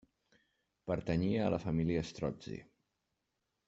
Pertanyia a la família Strozzi.